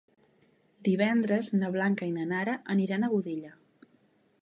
Divendres na Blanca i na Nara aniran a Godella.